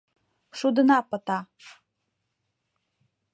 Шудына пыта.